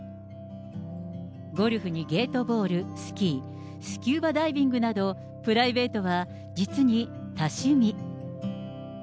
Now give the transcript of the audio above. ゴルフにゲートボール、スキー、スキューバダイビングなど、プライベートは実に多趣味。